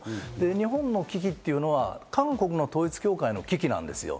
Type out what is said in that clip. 日本の危機というのは韓国の統一教会の危機なんですよ。